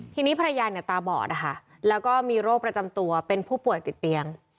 ทีนี้ภรรยาเนี่ยตาบอดนะคะแล้วก็มีโรคประจำตัวเป็นผู้ป่วยติดเตียง